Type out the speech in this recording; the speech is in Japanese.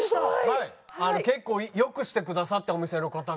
結構よくしてくださってお店の方が。